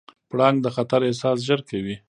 پړانګ د خطر احساس ژر کوي.